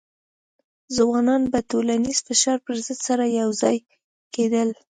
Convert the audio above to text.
ځوانان به د ټولنیز فشار پر ضد سره یوځای کېدل.